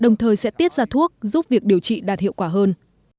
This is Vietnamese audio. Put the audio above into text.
người sẽ tiết ra thuốc giúp việc điều trị đạt hiệu quả hơn